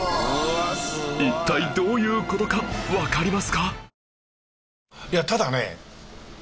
一体どういう事かわかりますか？